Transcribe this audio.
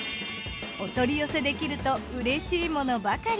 お取り寄せできるとうれしいものばかり！